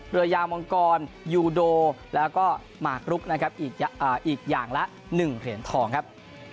เรือยาวมังกรยูโดแล้วก็หมากรุกนะครับอีกอย่างละ๑เหรียญทองครับ